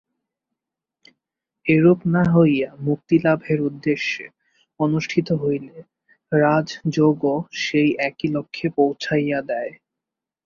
এরূপ না হইয়া মুক্তিলাভের উদ্দেশ্যে অনুষ্ঠিত হইলে রাজযোগও সেই একই লক্ষ্যে পৌঁছাইয়া দেয়।